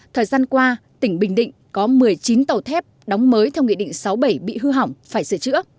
thời gian qua tỉnh bình định có một mươi chín tàu thép đóng mới theo nghị định sáu bảy bị hư hỏng phải sửa chữa